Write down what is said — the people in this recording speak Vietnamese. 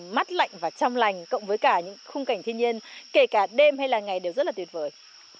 mắt lạnh và trong lành cộng với cả những khung cảnh thiên nhiên kể cả đêm hay là ngày đều rất là tuyệt vời